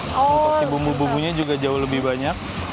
untuk bumbu bumbunya juga jauh lebih banyak